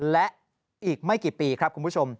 และอีกไม่กี่ปีครับคุณผู้ชม